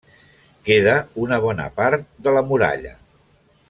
Queda una bona part de la muralla.